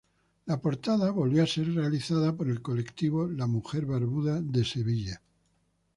La portada volvió a ser realizada por el colectivo "La Mujer Barbuda" de Sevilla.